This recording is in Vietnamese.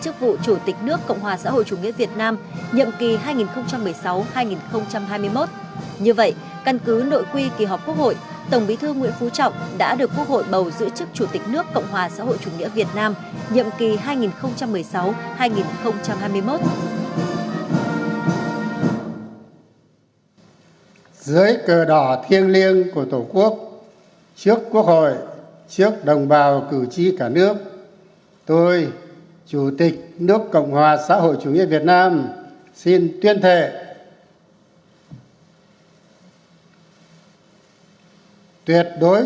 chủ tịch nước cộng hòa xã hội chủ nghĩa việt nam nguyễn phú trọng tổng bí thư ban chấp hành trung mương đảng cộng sản việt nam đại biểu quốc hội khóa một mươi bốn đã được quốc hội bầu giữ chức chủ tịch nước cộng hòa xã hội chủ nghĩa việt nam nhiệm kỳ hai nghìn một mươi sáu hai nghìn hai mươi một